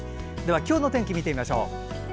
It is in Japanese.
今日の天気を見てみましょう。